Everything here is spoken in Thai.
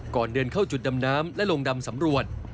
ก่อนเดินเข้าจุดดำน้ำและลงดำสำรวจ